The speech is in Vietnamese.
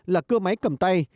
là cưa máy cầm tay